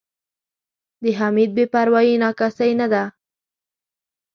د حمید بې پروایي نا کسۍ نه ده.